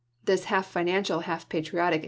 This half financial, half patriotic chap.